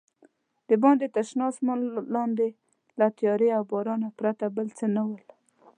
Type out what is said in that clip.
دباندې تر شنه اسمان لاندې له تیارې او بارانه پرته بل څه نه ول.